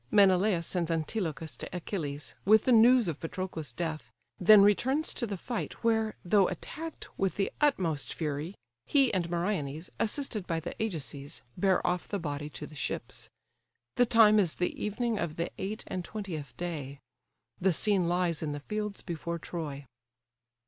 Menelaus sends Antilochus to Achilles, with the news of Patroclus' death: then returns to the fight, where, though attacked with the utmost fury, he and Meriones, assisted by the Ajaces, bear off the body to the ships. The time is the evening of the eight and twentieth day. The scene lies in the fields before Troy.